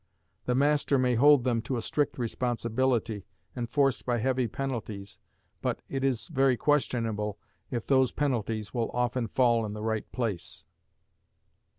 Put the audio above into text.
The master may hold them to a strict responsibility, enforced by heavy penalties, but it is very questionable if those penalties will often fall in the right place.